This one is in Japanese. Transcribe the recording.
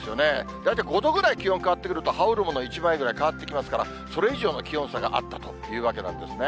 だいたい５度ぐらい気温変わってくると、羽織るもの１枚ぐらい変わってきますから、それ以上の気温差があったというわけなんですね。